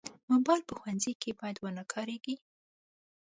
موبایل په ښوونځي کې باید ونه کارېږي.